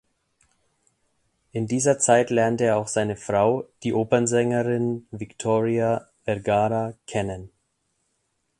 In dieser Zeit lernte er auch seine Frau, die Opernsängerin Victoria Vergara kennen.